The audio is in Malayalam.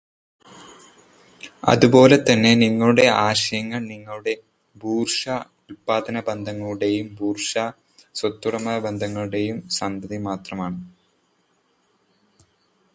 അതുപോലെതന്നെ നിങ്ങളുടെ ആശയങ്ങൾ നിങ്ങളുടെ ബൂർഷ്വാ ഉല്പാദനബന്ധങ്ങളുടേയും ബൂർഷ്വാ സ്വത്തുടമബന്ധങ്ങളുടേയും സന്തതി മാത്രമാണ്.